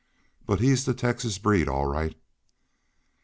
But he's the Texas breed all right."